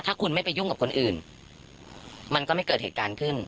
ถ้าคุณไม่ไปยุ่งกับคนอื่นมันก็ไม่เกิดเหตุการณ์ขึ้น